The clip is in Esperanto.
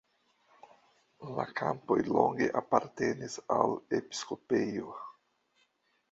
La kampoj longe apartenis al episkopejo.